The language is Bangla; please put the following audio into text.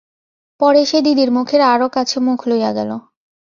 পরে সে দিদির মুখের আরও কাছে মুখ লইয়া গেল।